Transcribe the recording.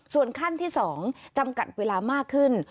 ส่วนขั้นที่๒จำกัดเวลามากขึ้น